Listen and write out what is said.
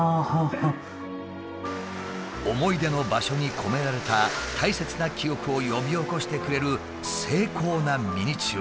思い出の場所に込められた大切な記憶を呼び起こしてくれる精巧なミニチュア。